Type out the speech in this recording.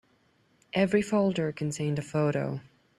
Every folder contained a photo.